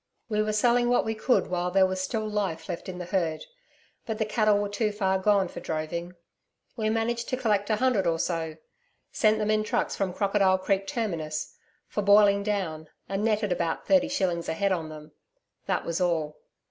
We were selling what we could while there was still life left in the herd, but the cattle were too far gone for droving. We managed to collect a hundred or so sent them in trucks from Crocodile Creek Terminus, for boiling down and netted about thirty shillings a head on them. That was all.